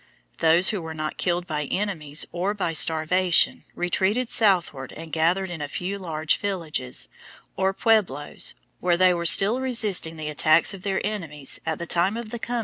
Those who were not killed by enemies or by starvation retreated southward and gathered in a few large villages, or pueblos, where they were still resisting the attacks of their enemies at the time of the coming of the early Spanish explorers.